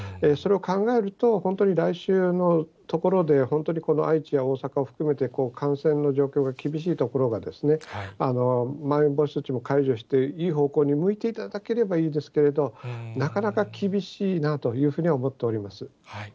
それを考えると、本当に来週のところで、本当に愛知や大阪を含めて、感染の状況が厳しい所が、まん延防止措置も解除していい方向に向いていただければいいですけれども、なかなか厳しいなというふうには思っております。